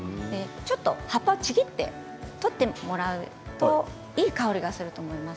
葉っぱをちぎって取ってもらうといい香りがすると思います。